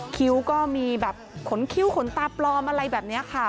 คิ้วก็มีแบบขนคิ้วขนตาปลอมอะไรแบบนี้ค่ะ